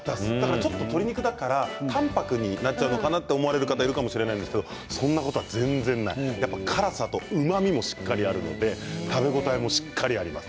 ちょっと鶏肉だから淡泊になっちゃうのかなと思う方いるかもしれませんがそんなことは全然ない辛さとうまみもしっかりあるので食べ応えがしっかりあります。